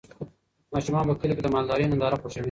ماشومان په کلي کې د مالدارۍ ننداره خوښوي.